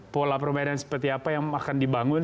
pola permainan seperti apa yang akan dibangun